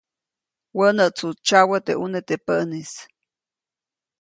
Wänätsu tsyawä teʼ ʼune teʼ päʼnis.